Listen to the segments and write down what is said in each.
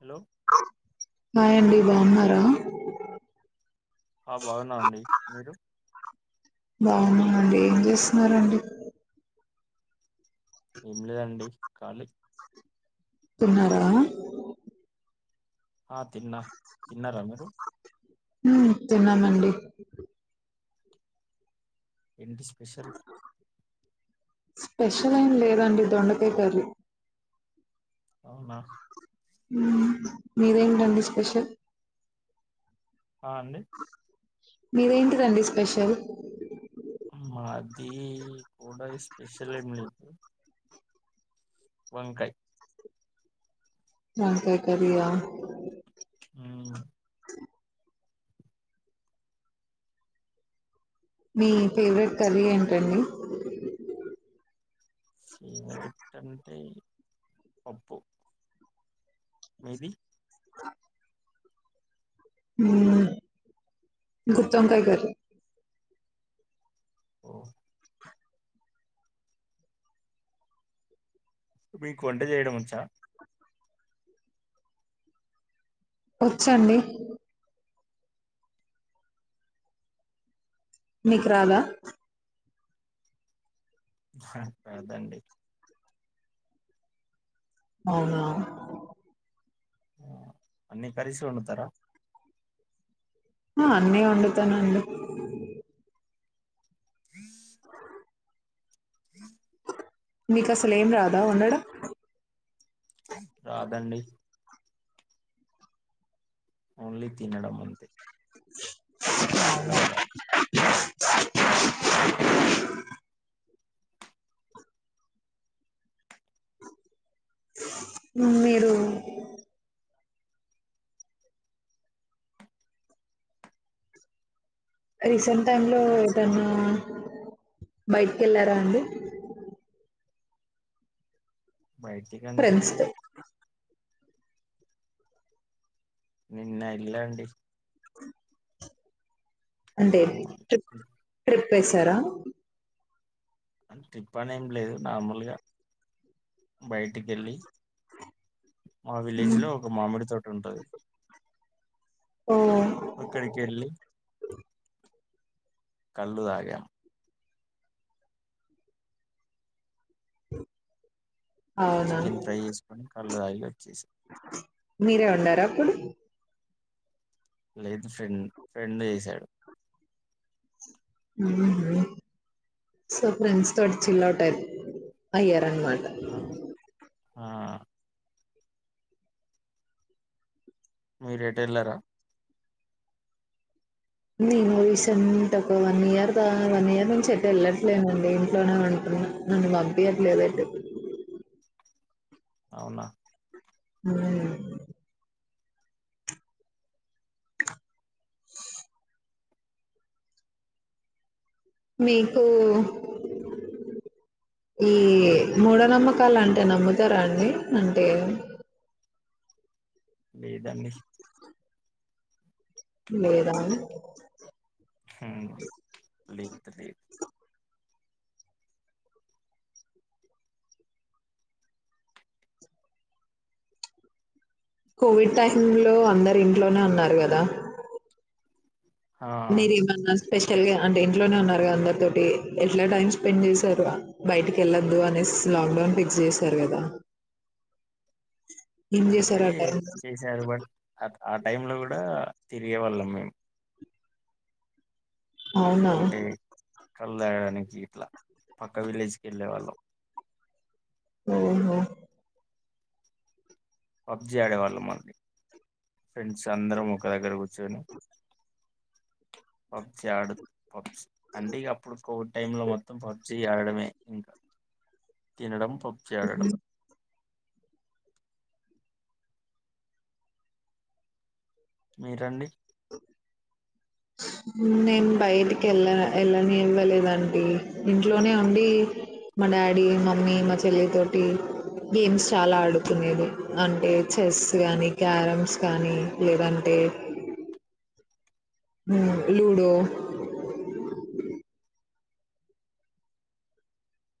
Hello hi అండి బాగున్నారా ఆ బాగున్నామండి మీరు బాగున్నామండి ఏం చేస్తున్నారండి ఏం లేదండి కాలీ తిన్నారా ఆ తిన్నా తిన్నారా మీరు ఉమ్ తిన్నామండి ఎంటి స్పెషల్ స్పెషల్ ఏం లేదండి దొండకాయ కర్రీ అవునా ఉమ్ మీదేంటండి స్పెషల్ ఆ అండి మిదేంటిది అండి స్పెషల్ మాది కూడా స్పెషల్ ఏమి లేదు వంకాయ్ వంకాయ్ కర్రీ ఆ ఉమ్ మీ ఫేవరెట్ కర్రీ ఏంటండి ఫేవరెట్ అంటే పప్పు మీది ఉమ్ గుత్తోకాయ్ కర్రీ ఓ మీకు వంట చేయడం వచ్చా వచ్చండి మీకు రాదా హా రాదండి అవునా అన్ని కర్తీసు వాడుతారా ఆ అన్నీ వండుతానండి అ హ మీకు అసలేం రాదా వండడం రాదండి ఓన్లీ తినడం అంతే [inaudible] వండడం రాద్ మీరు రీసెంట్ టైమ్లో ఏదన్న బయటికి ఎళ్ళారా అండి. బయటికంటే ఫ్రెండ్స్ తో నిన్న ఎల్లండి అంటే నార్మల్ ట్రిప్ ట్రిప్ వేశారా. అ ట్రిప్ అని ఏం లేదు నార్మల్గా బయటికెళ్ళి మా విలేజ్ మ్మ్. లో ఒక మామిడి తోట ఉంటది. ఓ అక్కడికి వెళ్ళి కళ్ళు తాగాం అవునా చికెన్ ఫ్రై వేసుకొని కళ్ళు తాగి వచ్చేసి మీరే ఉండారా అప్పుడు లేదు ఫ్రెం ఫ్రెండ్ చేసాడు. ఆ సో ఫ్రెండ్స్ తోటి చిల్ అవుట్ అయ్యర్ అన్మా ఆ ఆ మీరు ఎటెళ్ళారా మూవీసు అంత ఒక one year the one year నుంచి ఎట్తే వెళ్ళట్లేదుండి ఇంట్లోనే ఉంట. నన్ను పంపియట్లేదు ఎటు అవునా మ్మ్ [inaudible] మీకు ఈ మూఢోనమ్మకాలు అంటే నమ్ముతారా అండి అంటే లేదండి. లేదా లేదు లేదు కోవిడ్ టైమ్ లో అందరు ఇంట్లోనే ఉన్నారు కదా ఆ మీరేమన్నా స్పెషల్గా అంటే ఇంట్లోనే ఉన్నారుగా అందరి తోటి ఎట్లా టైం స్పెండ్ చేశారు బయటికి వెళ్ళొద్దు అనేసి లాక్ డౌన్ ఫిక్స్ చేసారు కదా. అంటే చేసారు బట్ ఆ టైం లో కూడా తిరిగే వాళ్ళం మేము అవునా కళ్ళదగాయడానికి ఇట్లా పక్క విలేజ్ కి వెళ్ళే వాళ్ళం. ఓహో పబ్జి ఆడేవాళ్ళం మళ్ళీ ఫ్రెండ్స్ అందరం ఒక దగ్గర కూర్చొని [inaudible] పబ్జీ ఆడు పబ్జీ అంటే అప్పుడు కోవిడ్ టైం లో మొత్తం పబ్జీ ఆడమే ఇంకా తినడం పబ్జి ఆడడం. మీరండి. అ [inaudible] నేను బయటికి వెళ్ళ వెళ్ళని ఇవ్వలేదండి ఇంట్లోనే ఉండి మా డాడీ మమ్మీ మా చెల్లి తోటి గేమ్స్ చాలా ఆడుతునేది అంటే చెస్ కానీ క్యారమ్స్ కానీ లేదంటే, [inaudible] లూడో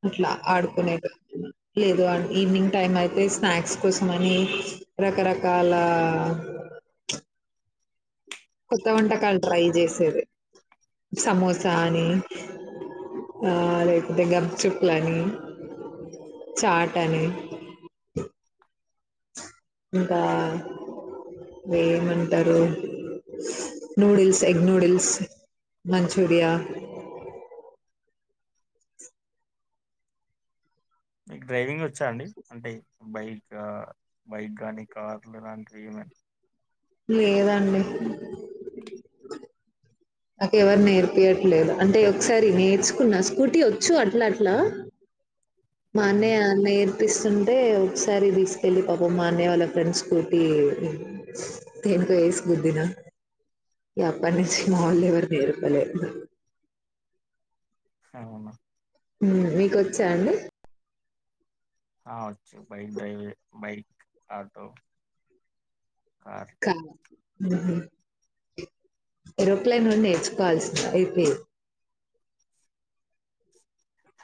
అట్లా అవునా ఆడుకునేది లేదు ఈవినింగ్ టైం అయితే స్నాక్స్ కోసం అని రకరకాల, [inaudible] కొత్త వంటకాలు ట్రై చేసేది సమోసా అని ఆ లేకపోతే గప్చుప్ లని చాట్ అని ఇంకా ఏమంటరు నూడిల్స్ ఎగ్ నూడిల్స్ మంచూరియా మీకు డ్రైవింగ్ వచ్చా అండి అంటే బైక్ గా బైక్ గానీ కార్లు అలాంటివి ఏమైనా లేదండి నాకు ఎవరు నేర్పియ్యట్లేదు అంటే ఒకసారి నేర్చుకున్న స్కూటీ వచ్చు అట్లా అట్లా మా ఉమ్ అన్నయ్య నేర్పు పిస్తుంటే ఒకసారి తీసుకెళ్లి పాపం మా అన్నయ్య వాళ్ళ ఫ్రెండ్స్ స్కూటీ కు ఏసి గుద్దిన ఇగ అప్పటినుంచి అవు- మావోల్లెవరు నేర్పలె అవునా ఉమ్ మీకొచ్చా అండి ఆ వచ్చు బైక్ డ్రైవి బైక్, ఆటో కార్ ఉహు ఏరోప్లేన్ కూడా నేర్చుకోవాల్సి అయిపోయేది [inaudible]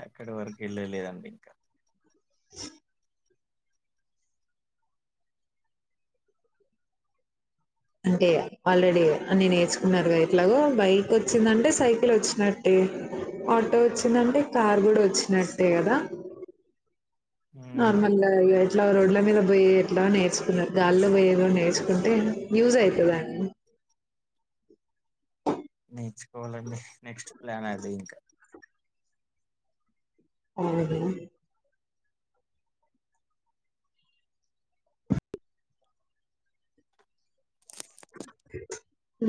అక్కడి వరకు వెళ్ళలేదండి ఇంకా [inaudible] అంటే ఆల్రెడీ అన్ని నేర్చుకున్నారు గా ఎట్లాగో బైక్ వచ్చిందంటే సైకిల్ వచ్చినట్టే. ఆటో వచ్చిందంటె కార్ కూడా వచ్చినట్టే కదా. ఉమ్ నార్మల్గా ఇట్ల రోడ్ల మీద పొయ్యి ఎట్ల నేర్చుకున్న, గాల్లో పోయేది కూడా నేర్చుకుంటే యూజ్ అయితదండి నేర్చుకోవాలండి నెక్స్ట్ ప్లాన్ అదే ఇంకా. ఆ అదే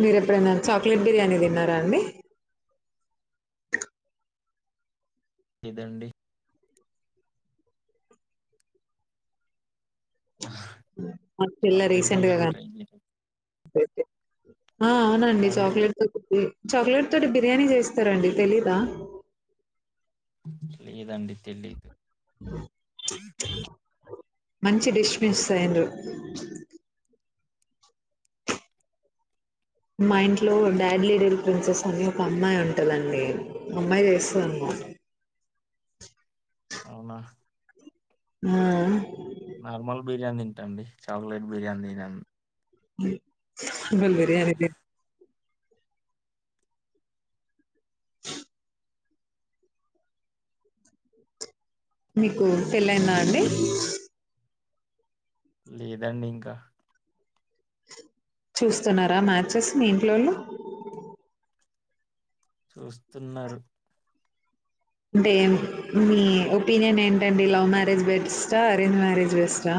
మీరు ఎప్పుడైన చాక్లెట్ బిర్యానీ తిన్నారా అండి? ఇదండి మా పిల్ల చాక్లెట్ రీసెంట్ గా బిర్యానీ ట్రై చేయలేదు ఆ అవునండి అండి చాక్లెట్ తో కే చాక్లెట్ తోటి బిర్యానీ చేస్తరండి తెలీదా? లేదండి తెలీదు [inaudible] మంచి డిష్ మిస్సయ్యిండ్రు ప్చ్ [inaudible] మా ఇంట్లో డాడ్ లిటిల్ ప్రిన్సెస్ అని ఒక అమ్మాయి ఉంటదండి, ఆ అమ్మాయి చేస్తది అన్నమ [inaudible] అవునా ఆ నార్మల్ బిర్యానీ తింటండి, చాక్లెట్ బిర్యానీ తినన్ బల్ బిర్యానీ తిన్ మీకు పెళ్లయిందా అండి? లేదండి ఇంకా చూస్తున్నరా మ్యాచెస్ మీ ఇంట్లోళ్ళు? చూస్తున్నరు అంటే ఏం మీ ఒపీనియన్ ఏంటండి? లవ్ మ్యారేజ్ బెస్టా, arrange marriage బెస్టా?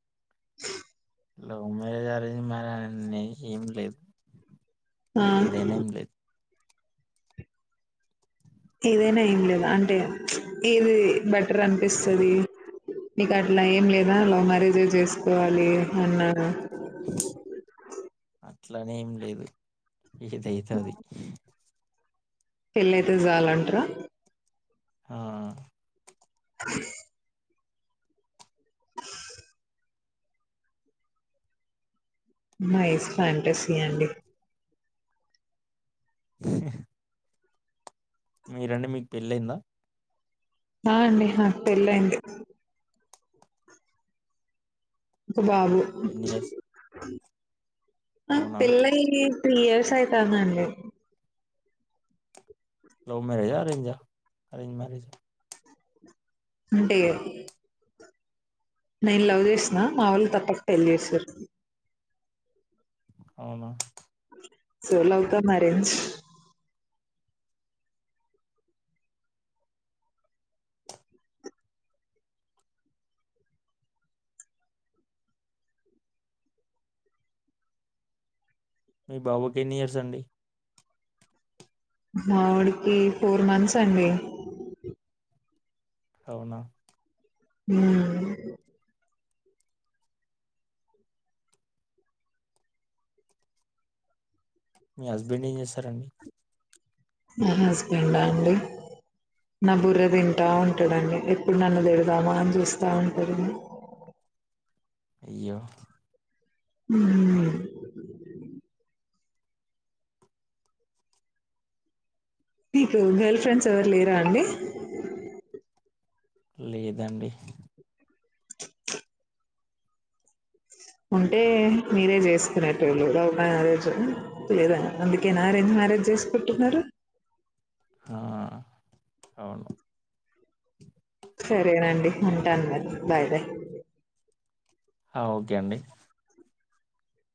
[inaudible] Love marriage, arrange marriage అని ఏం లేదు. ఆ! ఏదైనా ఏం లేదు. ఏదైనా ఏం లేదా అంటే, ప్చ్ ఏది బెటర్ అనిపిస్తది. మీకు అట్లా ఏం లేదా, లవ్ మ్యారేజే చేసుకోవాలి అన్నాన అట్లనేం లేదు. ఏదైతే అది. పెళ్ళయితే జాలంటరా? ఆ అ నైస్ ఫ్యాంటసీ అండి [inaudible] మీరండి మీకు పెళ్ళైందా? ఆ అండి నాకు పెళ్లయింది. బాబు ఎన్ని ఇయర్స్? ఆ అవునా పెళ్లై త్రీ ఇయర్స్ సైతాందండి. లవ్ మ్యారేజా అరేంజా? అరేంజ్ మ్యారేజ్ ఉంటాయి అయి. నేను లవ్ చేసిన, మా వాళ్ళు తప్పక పెళ్లి యేసిర్రు. అవునా. So లవకా marriage. మీ బాబు పుట్టి ఎన్నీ ఇయర్స్ అండి. మావొడికి, ఫోర్ మంత్స్ అండి. అవునా. ఉమ్. మీ హస్బెండ్ ఏం జెస్తారండి. మా హస్బెండ్ డ అండి. నా బుర్ర తింటా ఉంటాడండి, ఎప్పుడు నన్ను తిడదామా, అని చూస్తా ఉంటాడు. అ అయ్యో. ఉమ్. నీకు గర్ల్ ఫ్రెండ్స్ ఎవరు లేరా అండి. లేదండి. [inaudible] ఉంటే, మీరే చేసుకునేటోల్లు, లవ్ మ్యారేజు లేదా అందుకే న ఆరెంజ్ మా. మ్యారేజ్ చేసుకుంటున్నారు. ఆ అవును. సరేనండి, ఉంటాను మరి, బాయ్ బాయ్. అ ఓకే అండి.